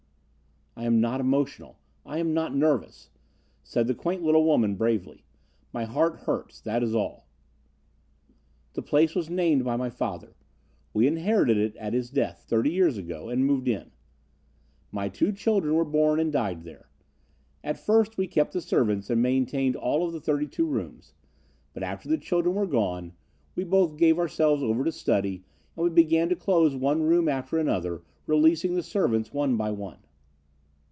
"I am not emotional. I am not nervous," said the quaint little woman, bravely. "My heart hurts, that is all. "The place was named by my father. We inherited it at his death, thirty years ago, and moved in. My two children were born and died there. At first we kept the servants and maintained all of the thirty two rooms. But after the children were gone, we both gave ourselves over to study and we began to close one room after another, releasing the servants one by one."